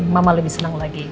mama lebih seneng lagi